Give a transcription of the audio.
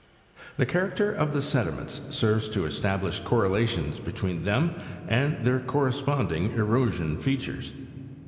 The character of the sediments serves to establish correlations between them and their corre sponding erosion features.